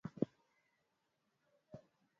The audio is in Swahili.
Viambaupishi vya kupikia pilau lla viazi lishe